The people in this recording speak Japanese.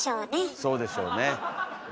そうでしょうね。